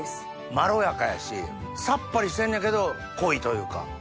まろやかやしサッパリしてんねけど濃いというか。